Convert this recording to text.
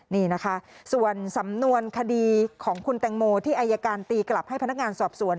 นี่นะคะส่วนสำนวนคดีของคุณแตงโมที่อายการตีกลับให้พนักงานสอบสวน